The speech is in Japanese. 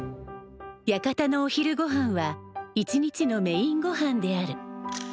屋形のお昼ごはんは一日のメインごはんである。